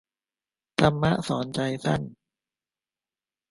ธรรมะสอนใจสั้น